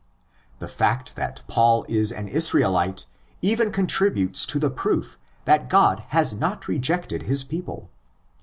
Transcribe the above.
The fact that Paul is an Israelite even contributes to the proof that God has not rejected his people (xi.